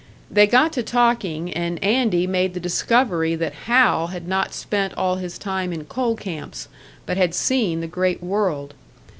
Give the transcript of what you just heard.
They got to talking, and Andy made the discovery that Hal had not spent all his time in coal camps, but had seen the great world.